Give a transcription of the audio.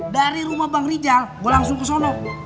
dari rumah bang rijal gue langsung ke sana